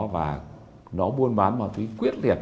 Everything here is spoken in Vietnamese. và nó buôn bán màu tí quyết liệt